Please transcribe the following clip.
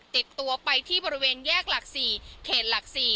ติดตัวไปที่บริเวณแยกหลัก๔เขตหลัก๔